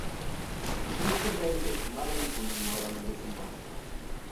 Estos la desestimaron y continuaron el desembarco.